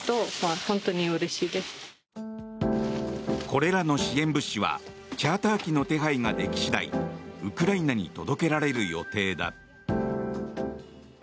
これらの支援物資はチャーター機の手配ができ次第ウクライナに届けられる予定だ。